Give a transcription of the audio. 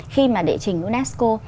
khi mà đệ trình unesco